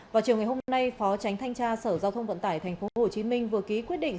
vào chiều ngày hôm nay phó tránh thanh tra sở giao thông vận tải tp hcm vừa ký quyết định